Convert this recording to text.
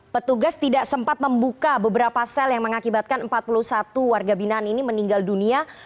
petugas tidak sempat membuka beberapa sel yang mengakibatkan empat puluh satu warga binaan ini meninggal dunia